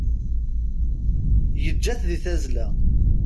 Yeǧǧa-t di tazzla.